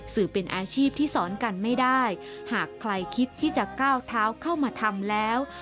สื่อเป็นอาชีพที่สอนกันไม่ได้หากใครคิดที่จะก้าวเท้าเข้ามาทำแล้ว